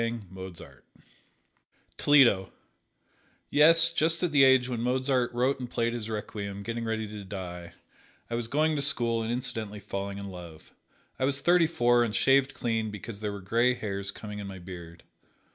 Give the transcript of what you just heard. Toledo: Yes, just at the age when Mozart wrote and played his "Requiem," getting ready to die, I was going to school and incidentally falling in love. I was thirty four and shaved clean because there were gray hairs coming in my beard.